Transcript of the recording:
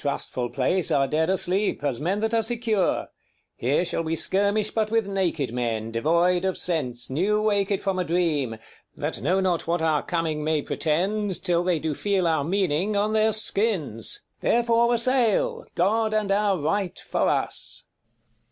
Th* inhabitants of this mistrustful place 5 Are dead asleep, as men that are secure : Here shall we skirmish but with naked men, Devoid of sense, new waked from a dream, That know not what our coming doth pretend, Till they do feel our meaning on their skins : 10 Therefore assail : God and our right for us.